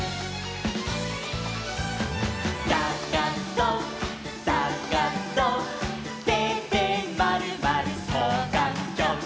「さがそさがそ」「てでまるまるそうがんきょう」